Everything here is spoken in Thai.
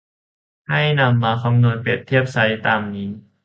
ให้นำมาคำนวณเปรียบเทียบไซซ์ตามนี้